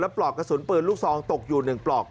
ปลอกกระสุนปืนลูกซองตกอยู่๑ปลอก